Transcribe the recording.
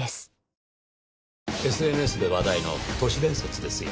ＳＮＳで話題の都市伝説ですよ。